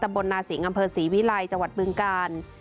ตำบลนาสิงห์อำเภอศรีวิลัยจบึงการ